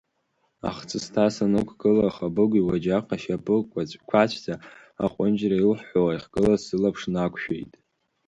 Ахҵысҭа санықәгыла, Хабыгә иуаџьаҟ ашьапы қәацәӡа аҟәынџьра илҳәҳәауа иахьгылаз сылаԥш нақәшәеит.